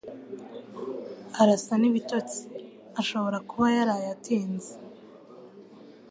Arasa n'ibitotsi. Ashobora kuba yaraye atinze.